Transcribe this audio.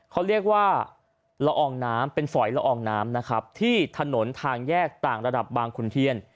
เขาเรียกว่าละอองน้ำเป็นฝอยละอองน้ำนะครับที่ถนนทางแยกต่างระดับบางขุนเทียน